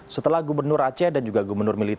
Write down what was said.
setelah gubernur aceh dan juga gubernur militer